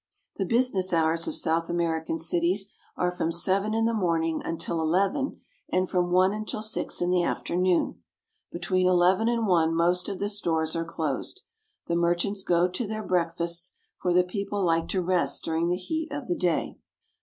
The business hours of South American cities are from seven in the morning until eleven, and from one until six in the afternoon. Between eleven and one most of the stores are closed. The merchants go to their breakfasts ; for the people like to rest during the heat of the day.